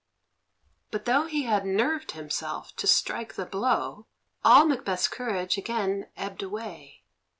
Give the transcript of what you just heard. But though he had nerved himself to strike the blow, all Macbeth's courage again ebbed away.